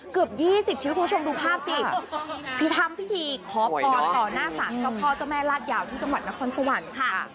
เกือบ๒๐ชีวิตคุณผู้ชมดูภาพสิคือทำพิธีขอพรต่อหน้าศาลเจ้าพ่อเจ้าแม่ลาดยาวที่จังหวัดนครสวรรค์ค่ะ